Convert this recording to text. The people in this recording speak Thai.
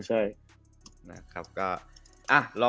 ใช่